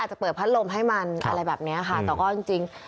จะเปิดพัดลมให้มันอะไรแบบนี้ค่ะแต่ก็จริง